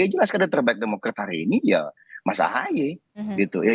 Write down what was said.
yang jelas kader terbaik demokrat hari ini ya mas ahaye gitu ya